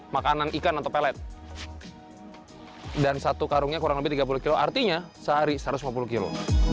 makanan ikan atau pelet dan satu karungnya kurang lebih tiga puluh kilo artinya sehari satu ratus lima puluh kilo